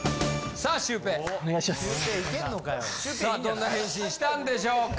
さあどんな返信したんでしょうか。